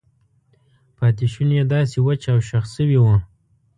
پاتې شونې یې داسې وچ او شخ شوي وو.